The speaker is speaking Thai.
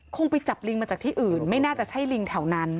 ไปจับลิงมาจากที่อื่นไม่น่าจะใช่ลิงแถวนั้น